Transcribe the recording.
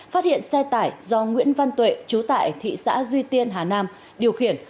phát hiện xe tải do nguyễn văn tuệ chú tại thị xã duy tiên hà nam điều khiển